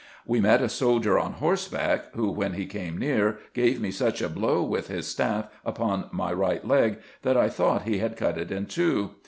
We met a soldier on horseback, who, when he came near, gave me such a blow with his staff upon my right leg, that I thought he had cut it in two.